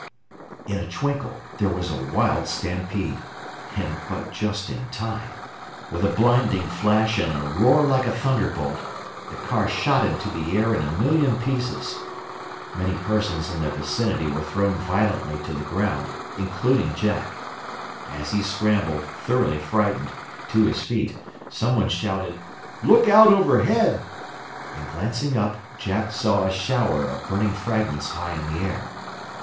In a twinkle there was a wild stampede. And but just in time. With a blinding flash and a roar like a thunderbolt, the car shot into the air in a million pieces. Many persons in the vicinity were thrown violently to the ground, including Jack. As he scrambled, thoroughly frightened, to his feet, someone shouted, "Look out overhead!" and glancing up, Jack saw a shower of burning fragments high in the air.